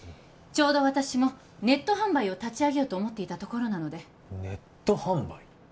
ちょうど私もネット販売を立ち上げようと思っていたところなのでネット販売？